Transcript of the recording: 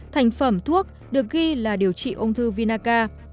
thành phẩm thuốc được ghi là điều trị ung thư vinaca